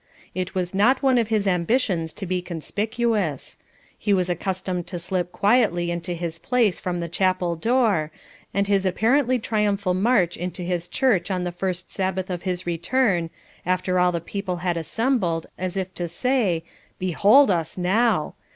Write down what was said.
It was not one of his ambitions to be conspicuous; he was accustomed to slip quietly into his place from the chapel door, and his apparently triumphal march into his church on the first Sabbath of his return, after all the people had assembled, as if to say, "Behold us now!"